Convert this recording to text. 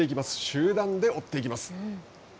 集団で追っていきます。